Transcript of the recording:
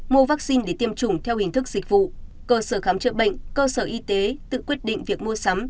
mua vaccine để tiêm chủng theo hình thức dịch vụ cơ sở khám chữa bệnh cơ sở y tế tự quyết định việc mua sắm